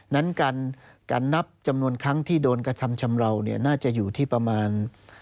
นั้นการนับจำนวนครั้งที่โดนกระทำชำราวเนี่ยน่าจะอยู่ที่ประมาณ